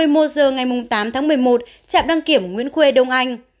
một mươi một h ngày tám tháng một mươi một trạm đăng kiểm nguyễn khuê đông anh